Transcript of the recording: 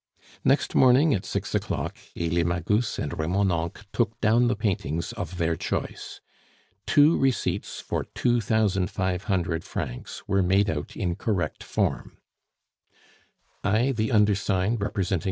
Next morning, at six o'clock, Elie Magus and Remonencq took down the paintings of their choice. Two receipts for two thousand five hundred francs were made out in correct form: "I, the undersigned, representing M.